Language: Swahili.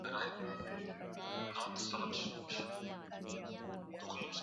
Kukaa kwenye unyevu kwa muda mrefu au kuumia mguuni huwezesha viini vinavyoishi hasa katika